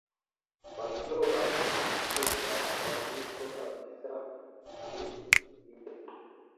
Wazyoba na Kunja wa mwisho kabisa ni vide